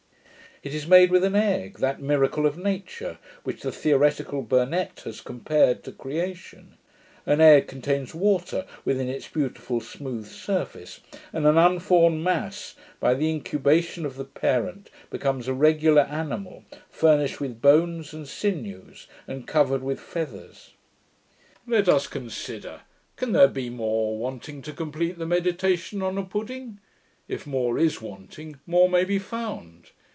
It is made with an egg, that miracle of nature, which the theoretical Burnet has compared to creation. An egg contains water within its beautiful smooth surface; and an unformed mass, by the incubation of the parent, becomes a regular animal, furnished with bones and sinews, and covered with feathers. Let us consider; can there be more wanting to complete the Meditation on a Pudding? If more is wanting, more may be found.